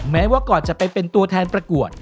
แม้ว่าก่อนจะไปเป็นตัวแทนประกวด